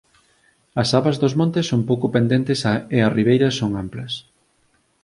As abas dos montes son pouco pendentes e as ribeiras son amplas